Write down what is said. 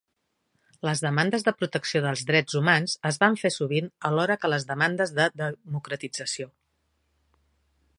Les demandes de protecció dels drets humans es van fer sovint alhora que les demandes de democratització.